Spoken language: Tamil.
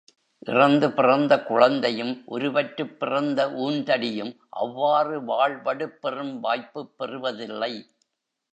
இறந்து பிறந்த குழந்தையும், உருவற்றுப் பிறந்த ஊன்தடியும் அவ்வாறு வாள் வடுப்பெறும் வாய்ப்புப் பெறுவதில்லை.